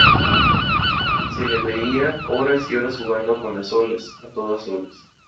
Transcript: Se le veía horas y horas jugando con las olas, a todas horas.